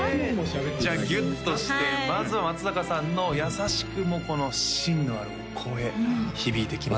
じゃあギュッとしてまずは松阪さんの優しくも芯のあるお声響いてきます